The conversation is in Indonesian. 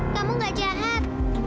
kamu gak jahat